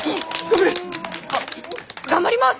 頑張ります！